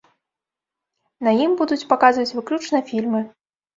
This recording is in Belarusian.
На ім будуць паказваць выключна фільмы.